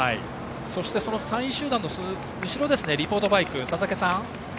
そして３位集団の後ろリポートバイク、佐竹さん。